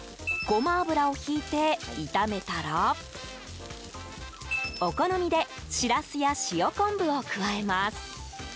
ゴマ油をひいて、炒めたらお好みでシラスや塩昆布を加えます。